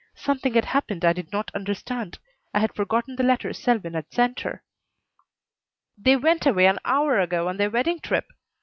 Something had happened I did not understand. I had forgotten the letter Selwyn had sent her. "They went away an hour ago on their wedding trip."